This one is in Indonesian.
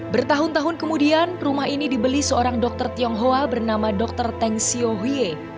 bertahun tahun kemudian rumah ini dibeli seorang dokter tionghoa bernama dr teng siohie